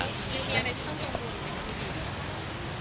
มีอะไรที่ต้องดู